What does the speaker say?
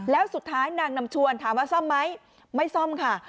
แล้วสุดท้ายนางนำชวนถามว่าซ่อมไหมไม่ซ่อมค่ะ